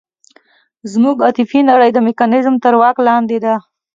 زموږ عاطفي نړۍ د میکانیزم تر واک لاندې ده.